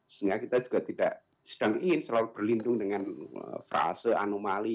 sehingga kita juga tidak sedang ingin selalu berlindung dengan fase anomali